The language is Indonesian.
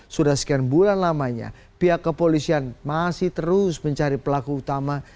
sudah sekian bulan lamanya pihak kepolisian masih terus mencari pelaku utama